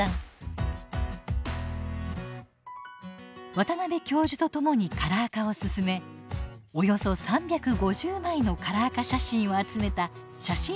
渡邉教授とともにカラー化を進めおよそ３５０枚のカラー化写真を集めた写真集を発売しました。